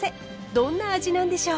どんな味なんでしょう？